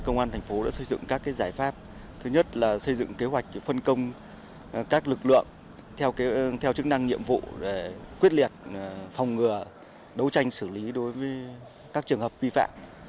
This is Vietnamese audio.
công an thành phố đã xây dựng các giải pháp thứ nhất là xây dựng kế hoạch phân công các lực lượng theo chức năng nhiệm vụ quyết liệt phòng ngừa đấu tranh xử lý đối với các trường hợp vi phạm